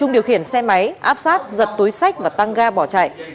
đang ra bỏ chạy